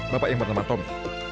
bapak yang bernama tommy